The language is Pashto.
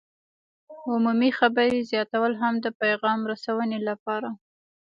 عمومي خبرې زیاتول هم د پیغام رسونې لپاره